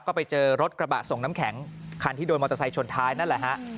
ก็ไปเจอรถกระบะส่งน้ำแข็งคันที่โดนมอเตอร์ไซค์ชนท้ายนั่นแหละฮะ